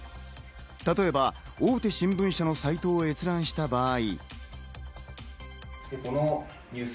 例えば大手新聞社のサイトを閲覧した場合。